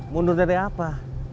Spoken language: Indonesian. mundur dari apa